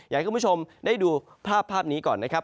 อยากให้คุณผู้ชมได้ดูภาพนี้ก่อนนะครับ